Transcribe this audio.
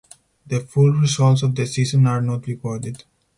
The full results of the season are not recorded.